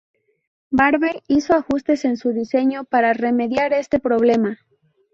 Barber hizo ajustes en su diseño para remediar este problema.